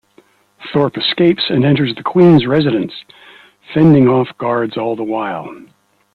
Thorpe escapes and enters the Queen's residence, fending off guards all the while.